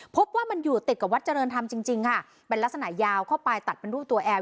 พบว่ามันอยู่ติดกับวัดเจริญธรรมจริงจริงค่ะเป็นลักษณะยาวเข้าไปตัดเป็นรูปตัวแอล